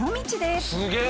すげえ！